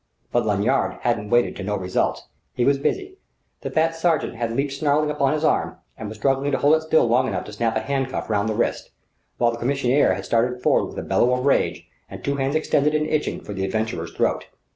But Lanyard hadn't waited to note results. He was busy. The fat sergent had leaped snarling upon his arm, and was struggling to hold it still long enough to snap a hand cuff round the wrist; while the commissaire had started forward with a bellow of rage and two hands extended and itching for the adventurer's throat.